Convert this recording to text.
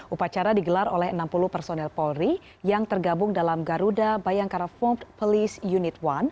upacara digelar oleh enam puluh personel polri yang tergabung dalam garuda bayangkara forbe police unit satu